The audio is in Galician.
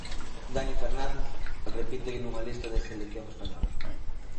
Dani Fernández repite nunha lista da selección española.